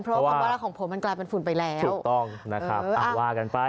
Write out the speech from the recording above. เพราะว่าความว่ารักของผมมันกลายเป็นฝุ่นไปแล้วถูกต้องนะครับว่ากันไป